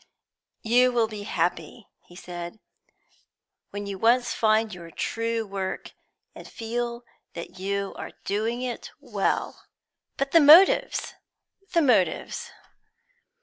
"You will be happy," he said, "when you once find your true work, and feel that you are doing it well." "But the motives, the motives!